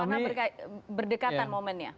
karena berdekatan momennya